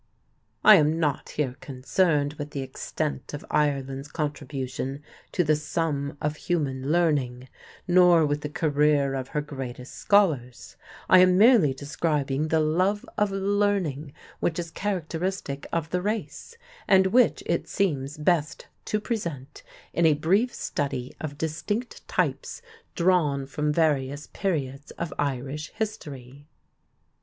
I am not here concerned with the extent of Ireland's contribution to the sum of human learning, nor with the career of her greatest scholars; I am merely describing the love of learning which is characteristic of the race, and which it seems best to present in a brief study of distinct types drawn from various periods of Irish history.